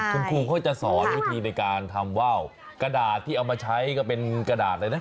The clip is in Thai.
คุณครูเขาจะสอนวิธีในการทำว่าวกระดาษที่เอามาใช้ก็เป็นกระดาษเลยนะ